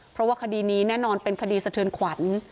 เพราะว่าคดีนี้แน่นอนเป็นคดีสะเทือนขวัญ